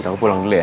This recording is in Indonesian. aku pulang dulu ya